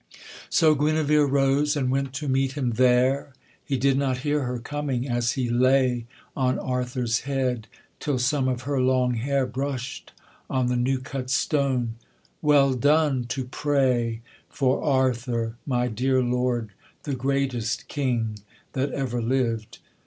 So Guenevere rose and went to meet him there, He did not hear her coming, as he lay On Arthur's head, till some of her long hair Brush'd on the new cut stone: 'Well done! to pray For Arthur, my dear Lord, the greatest king That ever lived.'